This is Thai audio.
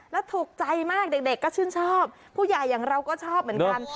แล้วถูกใจมากเด็กก็ชื่นชอบผู้ใหญ่อย่างเราก็ชอบเหมือนกัน